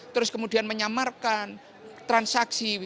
terus kemudian menyamarkan transaksi